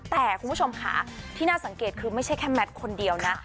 แต่คุณผู้ชมค่ะที่น่าสังเกตคือไม่ใช่แค่แมทคนเดียวนะ